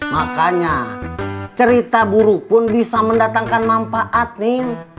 makanya cerita buruk pun bisa mendatangkan manfaat nih